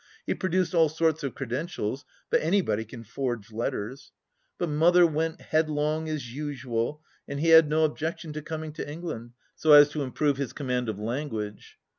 He produced all sorts of credentials, but anybody can forge letters. But Mother went headlong as usual and he had no objection to coming to England, so as to improve his command of language.